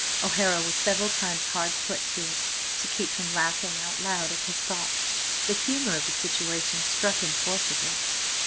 O'Hara was several times hard put to it to keep from laughing out loud at his thoughts. The humour of the situation struck him forcibly.